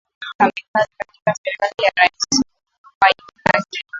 kamili katika serikali ya rais mwai kibaki